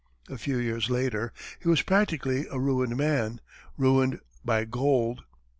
A few years later, he was practically a ruined man ruined by gold.